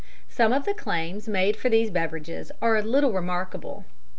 Some of the claims made for these beverages are a little remarkable.